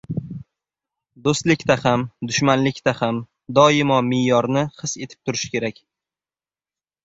Do‘stlikda ham, dushmanlikda ham doimo me’yorni his etib turish kerak.